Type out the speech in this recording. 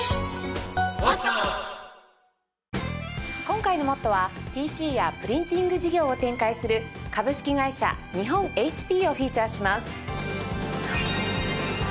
今回の『ＭＯＴＴＯ！！』はＰＣやプリンティング事業を展開する株式会社日本ＨＰをフィーチャーします。